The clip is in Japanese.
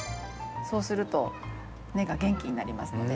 そうすると根が元気になりますので。